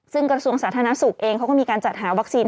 ซึ่งกระทรวงสาธารณสุขเองเขาก็มีการจัดหาวัคซีน